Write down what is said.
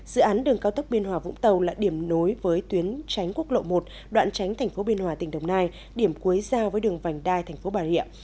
dự án đường cao tốc biên hòa vũng tàu là điểm nối với tuyến tránh quốc lộ một đoạn tránh thành phố biên hòa tỉnh đồng nai điểm cuối giao với đường vành đai thành phố bà rịa